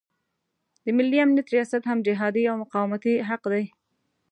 د ملي امنیت ریاست هم جهادي او مقاومتي حق دی.